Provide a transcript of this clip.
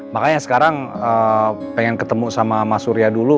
makanya sekarang pengen ketemu sama mas surya dulu